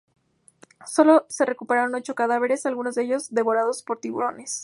Solo se recuperaron ocho cadáveres, algunos de ellos devorados por tiburones.